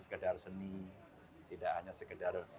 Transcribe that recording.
sekedar seni tidak hanya sekedar